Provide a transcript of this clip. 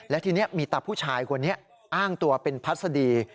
และทีนี้มีตาผู้ชายคนนี้อ้างตัวเป็นพัศดี